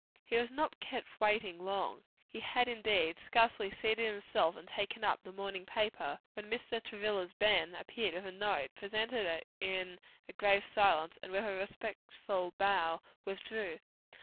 He was not kept waiting long; had, indeed, scarcely seated himself and taken up the morning paper, when Mr. Travilla's Ben appeared with a note, presented it in grave silence, and with a respectful bow, withdrew.